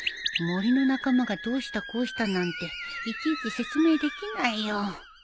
森の仲間がどうしたこうしたなんていちいち説明できないよ